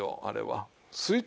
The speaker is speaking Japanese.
あれは。